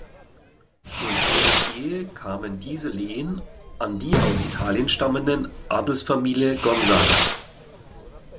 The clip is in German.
Durch deren Ehe kamen diese Lehen an die aus Italien stammenden Adelsfamilie Gonzaga.